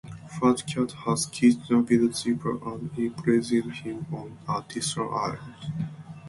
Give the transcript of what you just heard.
Fat Cat has kidnapped Zipper and imprisoned him on a distant island.